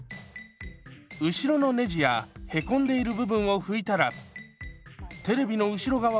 後ろのネジや凹んでいる部分を拭いたらテレビの後ろ側を半分ずつ拭きます。